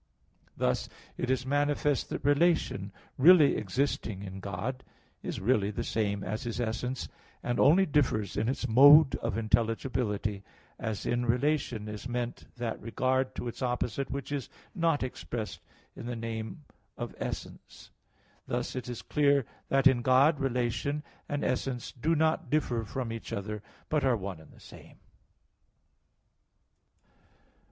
Thus it is manifest that relation really existing in God is really the same as His essence and only differs in its mode of intelligibility; as in relation is meant that regard to its opposite which is not expressed in the name of essence. Thus it is clear that in God relation and essence do not differ from each other, but are one and the same.